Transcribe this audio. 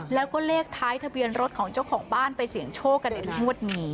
แล้วก็เลขท้ายทะเบียนรถของเจ้าของบ้านไปเสี่ยงโชคกันในงวดนี้